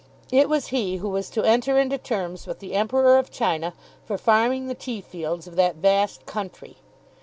It was he who was to enter into terms with the Emperor of China for farming the tea fields of that vast country.